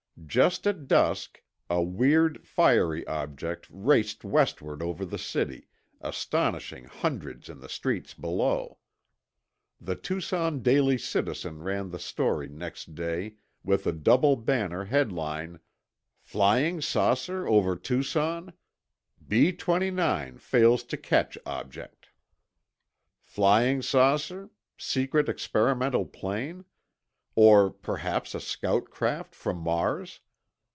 Just at dusk, a weird, fiery object raced westward over the city, astonishing hundreds in the streets below. The Tucson Daily Citizen ran the story next day with a double banner headline: FLYING SAUCER OVER TUCSON? B 29 FAILS TO CATCH OBJECT Flying saucer? Secret experimental plane? Or perhaps a scout craft from Mars?